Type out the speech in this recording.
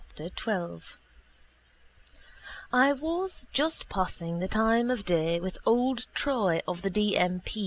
_[ 12 ] I was just passing the time of day with old Troy of the D. M. P.